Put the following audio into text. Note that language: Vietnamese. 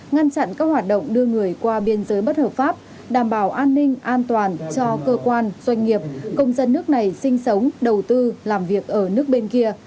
ngăn chặn các hoạt động đưa người qua biên giới bất hợp pháp đảm bảo an ninh an toàn cho cơ quan doanh nghiệp công dân nước này sinh sống đầu tư làm việc ở nước bên kia